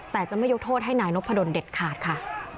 แต่จะไม่ยกโทษให้นายนพดลเด็ดขาดค่ะ